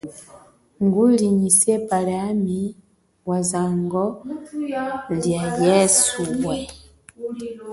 Nguli nyi sepa liami wazango lia yeswe.